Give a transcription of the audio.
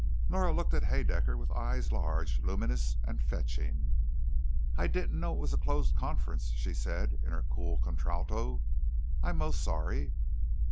Nora looked at Haedaecker with eyes large, luminous, and fetching. "I didn't know it was a closed conference," she said in her cool contralto. "I'm most sorry."